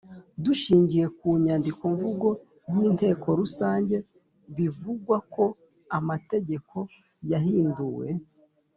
Dushingiye ku Nyandiko mvugo yinteko rusange bivugwako amategeko yahinduwe